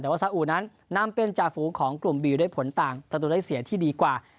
แต่ว่าสาอุนั้นนำเป็นจ่าฝูงของกลุ่มบิวได้ผลต่างประตูได้เสียที่ดีกว่า